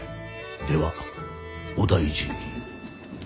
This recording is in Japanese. ではお大事に。